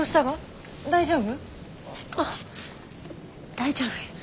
大丈夫や。